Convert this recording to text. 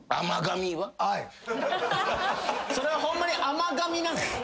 それはホンマに甘がみなんですか？